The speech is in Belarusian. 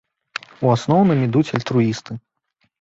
У асноўным ідуць альтруісты.